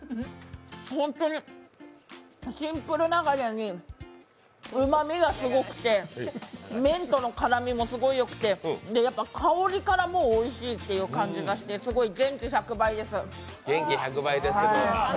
本当にシンプルながらにうまみがすごくて麺との絡みもすごくよくてやっぱり香りからもうおいしいっていう感じがしてすごい元気百倍です。